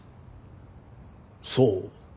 そう。